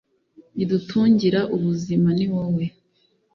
ridutungira ubuzima, ni wowe